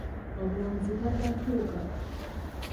Omulamuzi tannatuuka.